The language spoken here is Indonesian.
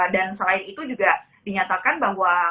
dan selain itu juga dinyatakan bahwa